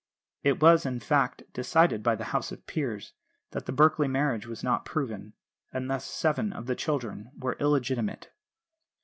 It was, in fact, decided by the House of Peers that the Berkeley marriage was not proven, and thus seven of the children were illegitimate.